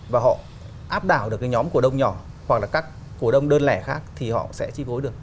và họ áp đảo được cái nhóm cổ đông nhỏ hoặc là các cổ đông đơn lẻ khác thì họ sẽ chi phối được